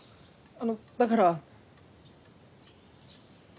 あのだから。